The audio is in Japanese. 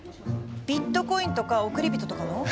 ビットコインとか億り人とかの？